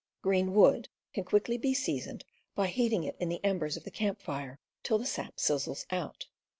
Green wood can quickly be seasoned by heating it in the embers of the camp fire till the sap sizzles out.